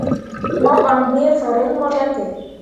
Mo ɓan d̃ǝǝ fanrel mo riahke.